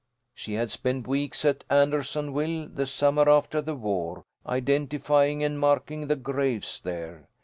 She had spent weeks at Andersonville the summer after the war, identifying and marking the graves there.